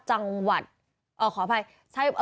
จังหวัดขออภัย